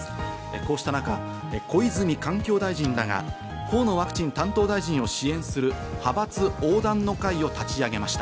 こうした中、小泉環境大臣らが河野ワクチン担当大臣を支援する派閥横断の会を立ち上げました。